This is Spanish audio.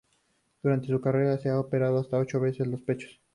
Durante su carrera se ha operado hasta ocho veces los pechos.